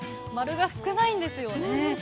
○が少ないんですよね。